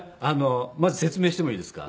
まず説明してもいいですか？